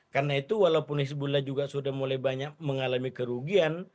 karena itu walaupun hezbollah juga sudah mulai banyak mengalami kerugian